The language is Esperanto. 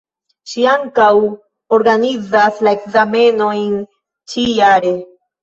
Ŝi ankaŭ organizas la ekzamenojn ĉi jare.